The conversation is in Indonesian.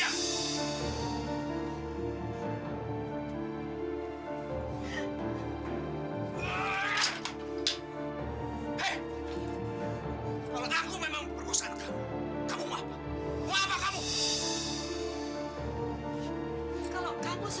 aku tidak akan membeli kesama kamu tori